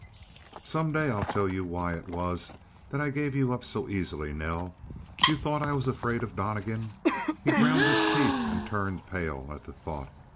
"Some day I'll tell you why it was that I gave you up so easily, Nell. You thought I was afraid of Donnegan?" He ground his teeth and turned pale at the thought.